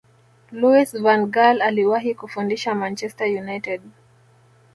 louis van gaal aliwahi kufundisha manchester united